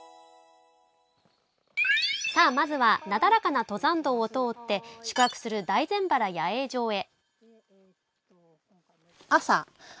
さあまずはなだらかな登山道を通って宿泊する大膳原野営場へ。